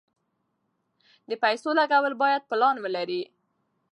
د پیسو لګول باید پلان ولري.